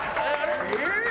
えっ！